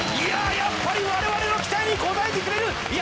やっぱり我々の期待に応えてくれるいや